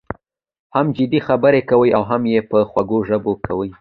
هم جدي خبره کوي او هم یې په خوږه ژبه کوي.